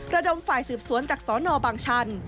ระดมฝ่ายสืบสวนจากสนบางชัน